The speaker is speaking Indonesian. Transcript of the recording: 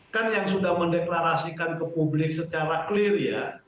kan yang sudah mendeklarasikan ke publik secara clear ya